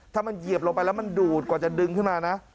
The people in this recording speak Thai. ถ้ามันเหยียบลงไปแล้วมันดูดกว่าจะดึงขึ้นมานะ